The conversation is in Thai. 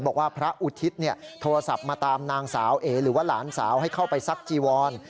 บอกว่าพระอุทิศโทรศัพท์มาตามนางสาวเอหรือว่าหลานสาวให้เข้าไปซักจีวร